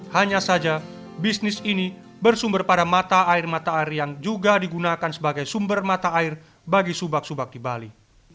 hanya saja bisnis ini bersumber pada mata air mata air yang juga digunakan sebagai sumber mata air bagi subak subak di bali